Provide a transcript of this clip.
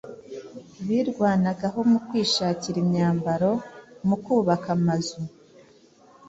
birwanagaho mu kwishakira imyambaro, mu kubaka amazu,